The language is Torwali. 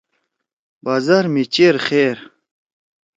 بازار می چیر خیر